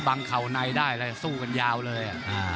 บังเข่านายได้เลยสู้กันยาวเลย